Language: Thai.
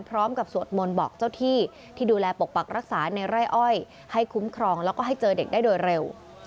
สวดมนต์บอกเจ้าที่ที่ดูแลปกปักรักษาในไร่อ้อยให้คุ้มครองแล้วก็ให้เจอเด็กได้โดยเร็ว